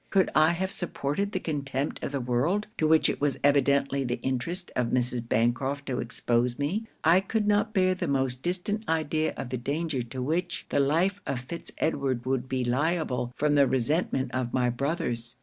Could I have supported the contempt of the world, to which it was evidently the interest of Mrs. Bancraft to expose me, I could not bear the most distant idea of the danger to which the life of Fitz Edward would be liable from the resentment of my brothers.